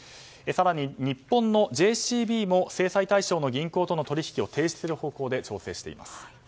更に日本のＪＣＢも制裁対象の銀行との取引を停止する方向で調整しています。